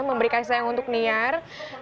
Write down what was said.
memberi kasih sayang untuk niar